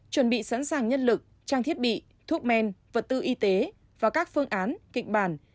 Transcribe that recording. chuẩn bị sẵn sàng nhân lực trang thiết bị thuốc men vật tư y tế và các phương án kịch bản